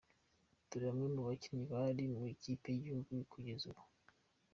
Dore bamwe mu bakinnyi bari mu ikipe y’igihugu kugeza ubu.